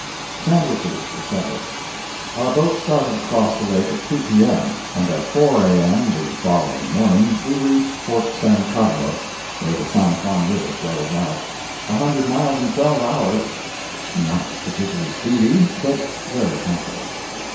SANDWICHES, ETC. Our boat started across the lake at 2 P.M., and at 4 A.M. the following morning we reached Fort San Carlos, where the San Juan River flows out—a hundred miles in twelve hours—not particularly speedy, but very comfortable.